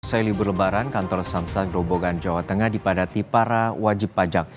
usai libur lebaran kantor samsagrobogan jawa tengah dipadati para wajib pajak